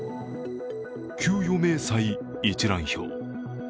給与明細一覧表。